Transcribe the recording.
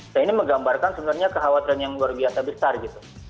dan ini menggambarkan sebenarnya kekhawatiran yang luar biasa besar gitu